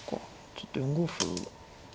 ちょっと４五歩は。